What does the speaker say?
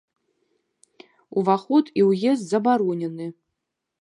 Уваход і ўезд забаронены!